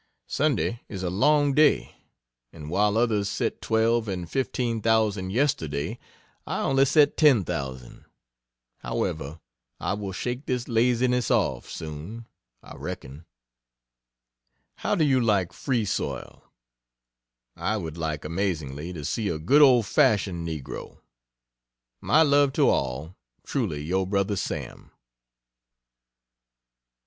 Sunday is a long day, and while others set 12 and 15,000, yesterday, I only set 10,000. However, I will shake this laziness off, soon, I reckon.... How do you like "free soil?" I would like amazingly to see a good old fashioned negro. My love to all Truly your brother SAM.